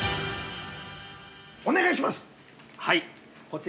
◆お願いします！